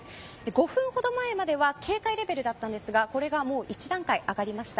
５分ほど前までは警戒レベルだったですがこれが１段階、上がりました。